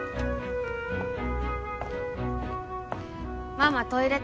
ママトイレと？